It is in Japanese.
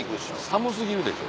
寒過ぎるでしょ。